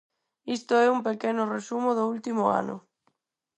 Isto é un pequeno resumo do último ano.